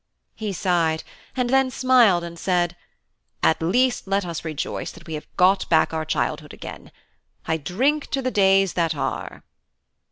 He sighed, and then smiled and said: "At least let us rejoice that we have got back our childhood again. I drink to the days that are!"